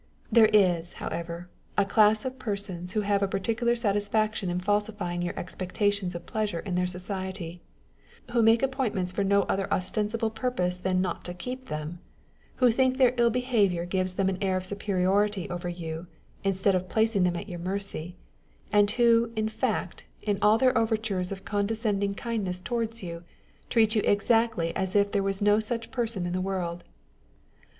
There is, however, a class of persons who have a par ticular satisfaction in falsifying your expectations of pleasure in their society, who make appointments for no other ostensible purpose than not to keep them ; who think their ill behaviour gives them an air of superiority over you, instead of placing them at your mercy ; and who, in fact, in all their overtures of condescending kindness towards you, treat you exactly as if there was no such person in the world.